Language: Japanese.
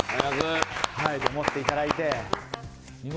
持っていただいて。